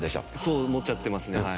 そう思っちゃってますねはい。